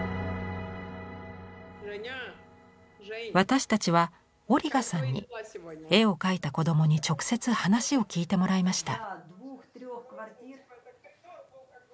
私たちはオリガさんに絵を描いた子どもに直接話を聞いてもらいました。